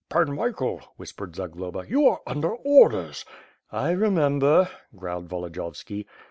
"Pan Michael," whispered Zagloba, "you are under orders." "I remember!" growled Volodiyovski.